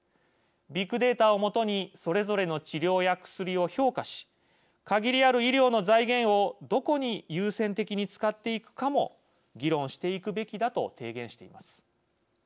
ビッグデータを基にそれぞれの治療や薬を評価し限りある医療の財源をどこに優先的に使っていくかも議論していくべきだと提言しています。